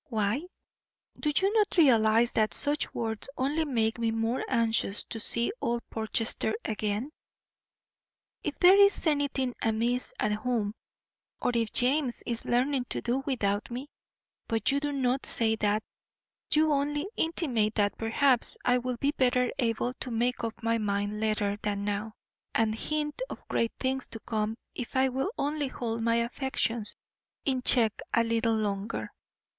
Why? Do you not realise that such words only make me the more anxious to see old Portchester again? If there is anything amiss at home, or if James is learning to do without me but you do not say that; you only intimate that perhaps I will be better able to make up my mind later than now, and hint of great things to come if I will only hold my affections in check a little longer.